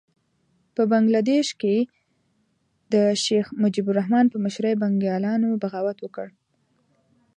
په بنګه دېش کې د شیخ مجیب الرحمن په مشرۍ بنګالیانو بغاوت وکړ.